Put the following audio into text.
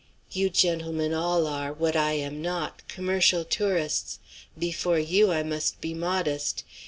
You, gentlemen, all are, what I am not, commercial tourists. Before you I must be modest.